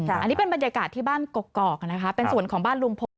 อันนี้เป็นบรรยากาศที่บ้านกกอกนะคะเป็นส่วนของบ้านลุงพล